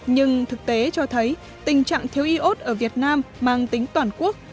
nhưng thực tế cho thấy tình trạng thiếu y ốt ở việt nam mang tính toàn quốc